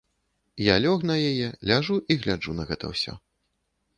Я лёг на яе, ляжу і гляджу на гэта ўсё.